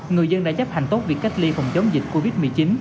người dân đã chấp hành tốt việc cách ly phòng chống dịch covid một mươi chín